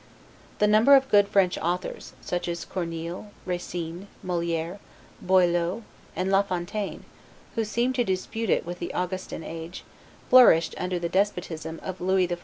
The number of good French authors, such as Corneille, Racine, Moliere, Boileau, and La Fontaine, who seemed to dispute it with the Augustan age, flourished under the despotism of Lewis XIV.